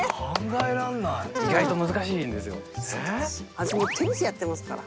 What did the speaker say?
私もうテニスやってますから。